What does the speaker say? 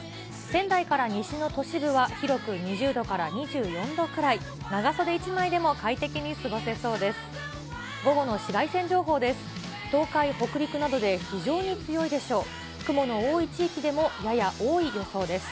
仙台から西の都市部は広く２０度から２４度ぐらい、長袖１枚でも快適に過ごせそうです。